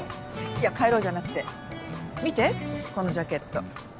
いや帰ろうじゃなくて見てこのジャケット。